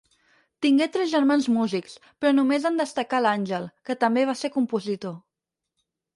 Tingué tres germans músics, però només en destacà l'Àngel, que també va ser compositor.